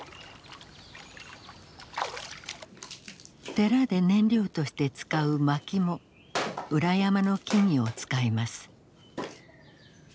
寺で燃料として使うまきも裏山の木々を使います。